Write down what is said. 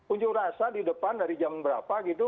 unjuk rasa di depan dari jam berapa gitu